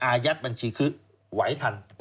อายัดบัญชีคือไหวทัน